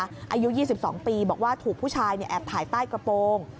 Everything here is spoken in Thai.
อายุ๒๒ปีบอกว่าถูกผู้ชายแอบถ่ายใต้กระโปรง